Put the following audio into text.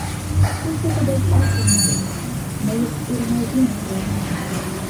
«Кушто тыгай чесым налынат? — мыет ӧрмалген йодым.